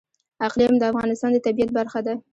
اقلیم د افغانستان د طبیعت برخه ده.